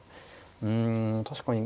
うん確かに。